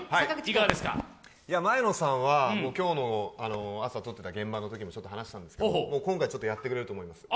前野さんは、今日の朝、撮ってた現場のときも話してたんですけど今回やってくれると思います。